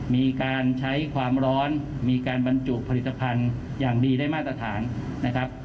มีการใช้ความร้อนมีการบรรจุผลิตภัณฑ์อย่างดีได้มาตรฐานนะครับ